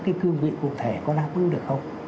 cái cương vị cụ thể có lãng phí được không